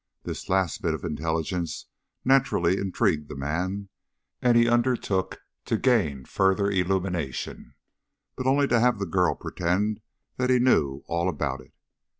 This last bit of intelligence naturally intrigued the man, and he undertook to gain further illumination, but only to have the girl pretend that he knew all about it.